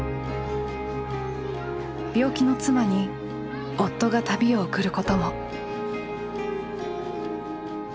病気の妻に夫が旅を贈ることも。